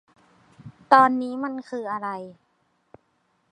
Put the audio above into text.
ตอนนี้มันคืออะไร